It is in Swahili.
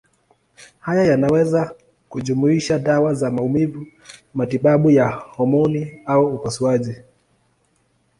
Haya yanaweza kujumuisha dawa za maumivu, matibabu ya homoni au upasuaji.